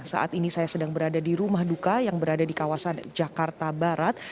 saat ini saya sedang berada di rumah duka yang berada di kawasan jakarta barat